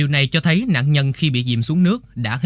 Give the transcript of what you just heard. quay màu trắng xanh